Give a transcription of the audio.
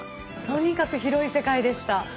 とにかく広い世界でした。